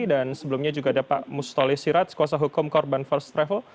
dan sebelumnya juga ada pak mustholy siraj kuasa hukum korban first travel